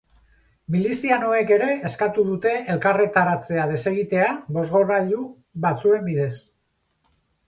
Milizianoek ere eskatu dute elkarretaratzea desegitea, bozgorailu batzuen bidez.